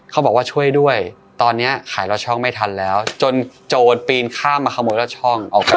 เขาบอกว่าช่วยด้วยตอนนี้ขายลอดช่องไม่ทันแล้วจนโจรปีนข้ามมาขโมยลอดช่องออกไป